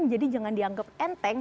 jadi jangan dianggap enteng